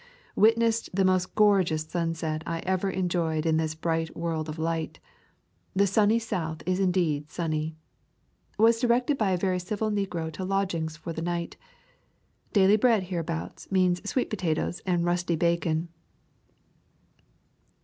Witnessed the most gorgeous sunset I ever enjoyed in this bright world of light. The sunny South is indeed sunny. Was directed by a very civil negro to lodgings for the night. Daily bread hereabouts means sweet potatoes and rusty bacon.